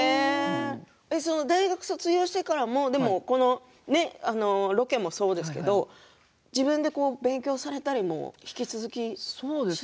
大学卒業してからもロケもそうですけど自分で勉強されたりも引き続きしていたんですか？